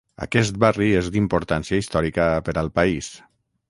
Aquest barri és d'importància històrica per al país.